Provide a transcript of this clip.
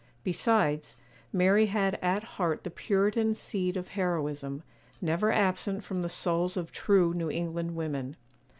Besides, Mary had at heart the Puritan seed of heroism,—never absent from the souls of true New England women.